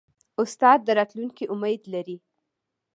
استاد د راتلونکي امید لري.